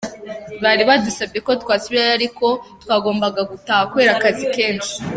Bari badusabye ko tuzasubirayo kuko bagombaga kumubaga mu itako kuko ryarakutse rirangije ryishakira inzira.